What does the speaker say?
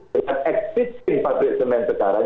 dengan existing pabrik semen sekarang